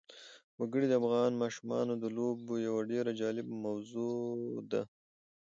وګړي د افغان ماشومانو د لوبو یوه ډېره جالبه موضوع ده.